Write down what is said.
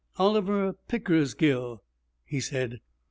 'Oliver Pickersgill?' he said.